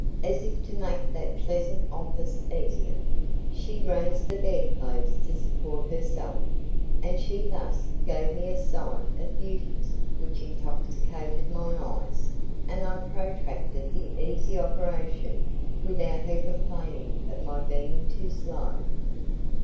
As if to make that pleasant office easier, she raised the bedclothes to support herself, and she thus gave me a sight of beauties which intoxicated my eyes, and I protracted the easy operation without her complaining of my being too slow.